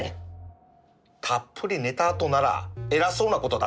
たっぷり寝たあとなら偉そうなことだって言えらぁ。